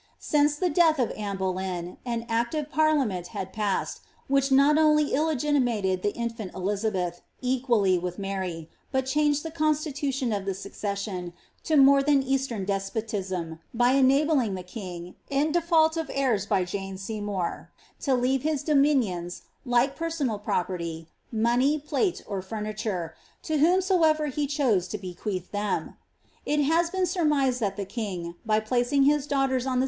Since the death of Anne Boleyn, an act of parliament had passed, which not only illegitimated the infant Eliza beth, equally with Mary, but changed the constitution of the succession to more than eastern despotism, by enabling the king, in default of heirs by queen Jane Seymour, to leave his dominions, like personal property, money, plate, or furniture, to whomsoever he chose to bequeath them. It ha« been surmised that the king, by placing his daughters oa thA 133 MART.